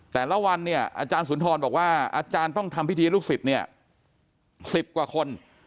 แต่ละวันเนี่ยอาจารย์สุนทรบอกว่าอาจารย์ต้องทำพิธีลูกศิษย์เนี่ย๑๐กว่าคน